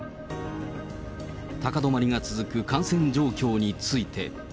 高止まりが続く感染状況について。